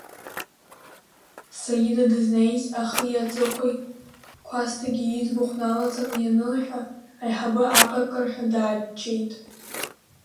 Саида дызнеиз ахи аҵыхәеи Кәасҭагьы иӡбахә налаҵаны ианылҳәа, аиҳабы аҟырҟырҳәа дааччеит.